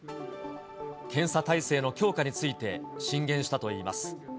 検査体制の強化について、進言したといいます。